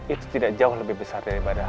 itu tidak jauh lebih besar daripada